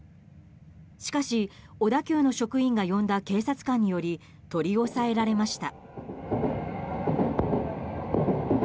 しかし、小田急の職員が呼んだ警察官により取り押さえられました。